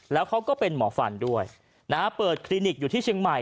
แล้วเขาก็เป็นหมอฟันด้วยนะฮะเปิดคลินิกอยู่ที่เชียงใหม่